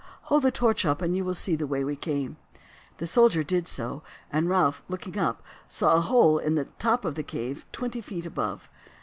Hold the torch up and you will see the way we came." The soldier did so, and Ralph, looking up, saw a hole in the top of the cave twenty feet above.